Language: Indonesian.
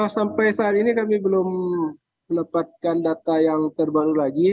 sampai saat ini kami belum mendapatkan data yang terbaru lagi